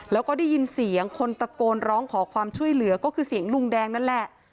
แล้วก็ได้ยินเสียงคนตะโกนร้องขอความช่วยเหลือก็คือเสียงลุงแดงนั่นแหละ